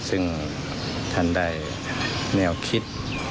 ซึ่งท่านได้แนวคิด